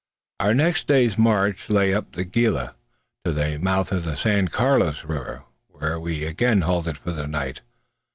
Our next day's march lay up the Gila, to the mouth of the San Carlos river, where we again halted for the night.